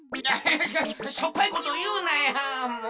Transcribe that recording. ちょっしょっぱいこというなやもう。